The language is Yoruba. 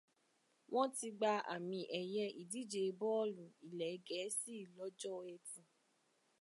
Wọ́n ti gba àmì ẹ̀yẹ ìdíje bọ́ọ̀lù ilẹ̀ gẹ̀ẹ́sì lọ́jọ́ Ẹtì.